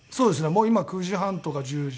もう今９時半とか１０時。